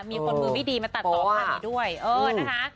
มีคนมือไม่ดีมาตัดต่อภาพนี้ด้วยเออนะคะ